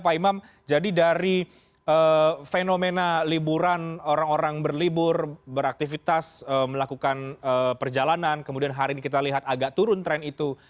pak imam jadi dari fenomena liburan orang orang berlibur beraktivitas melakukan perjalanan kemudian hari ini kita lihat agak turun tren itu